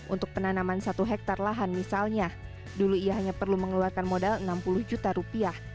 untuk penanaman satu hektare lahan misalnya dulu ia hanya perlu mengeluarkan modal enam puluh juta rupiah